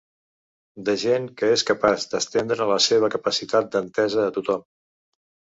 De gent que és capaç d’estendre la seva capacitat d’entesa a tothom.